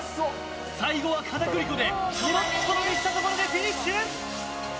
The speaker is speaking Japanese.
最後は片栗粉でとろっとろにしたところでフィニッシュ！